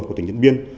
của tỉnh điền biên